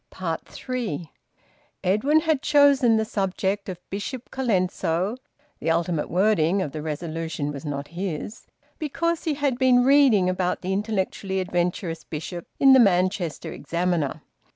THREE. Edwin had chosen the subject of Bishop Colenso the ultimate wording of the resolution was not his because he had been reading about the intellectually adventurous Bishop in the "Manchester Examiner."